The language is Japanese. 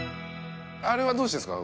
あれはどうしてるんですか？